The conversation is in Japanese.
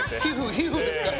皮膚ですから。